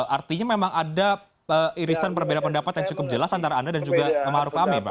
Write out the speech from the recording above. artinya memang ada irisan berbeda pendapat yang cukup jelas antara anda dan juga ⁇ maruf ⁇ amin